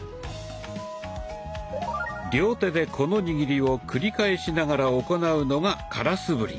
両手でこの握りを繰り返しながら行うのが「空素振り」。